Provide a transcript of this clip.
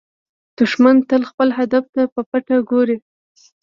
دښمن تل خپل هدف ته په پټه ګوري